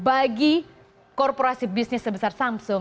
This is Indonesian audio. bagi korporasi bisnis sebesar samsung